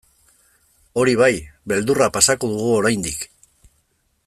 Hori bai, beldurra pasako dugu oraindik.